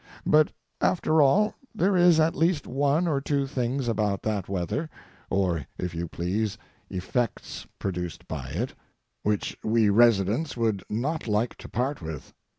But, after all, there is at least one or two things about that weather (or, if you please, effects produced by it) which we residents would not like to part with.